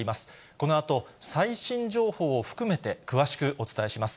このあと、最新情報を含めて詳しくお伝えします。